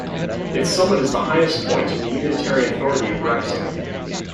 Its summit is the highest point in the unitary authority of Wrexham.